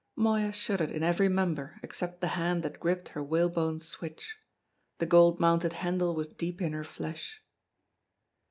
Moya shuddered in every member except the hand that gripped her whalebone switch. The gold mounted handle was deep in her flesh.